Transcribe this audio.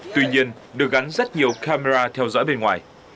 tuy nhiên được gắn rất nhiều camera theo dõi bên ngoài